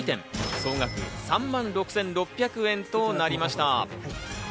総額３万６６００円となりました。